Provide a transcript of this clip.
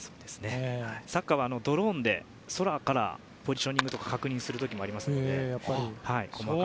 サッカーはドローンで空からポジショニングとかを確認する時もありますので。